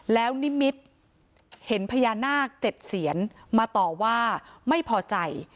แล้วนิมิตเห็นพญานาค๗เสียนมาต่อว่าไม่พอใจ